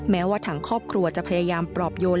แม้ว่าทางครอบครัวจะพยายามปลอบโยน